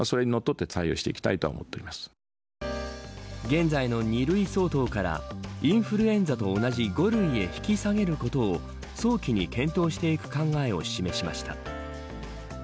現在の２類相当からインフルエンザと同じ５類へ引き下げることを早期に検討していく考えを示しました。